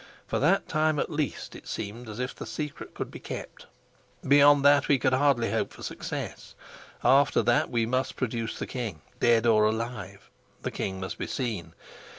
For that time, at least, it seemed as if the secret could be kept. Beyond that we could hardly hope for success; after that we must produce the king; dead or alive, the king must be seen.